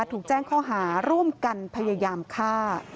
ถูกแจ้งข้อหาร่วมกันพยายามฆ่า